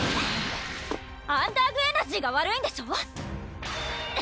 アンダーグ・エナジーが悪いんでしょ？